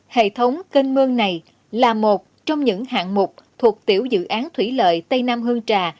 hệ thống kênh mương này là một trong những hạng mục thuộc tiểu dự án thủy lợi tây nam hương trà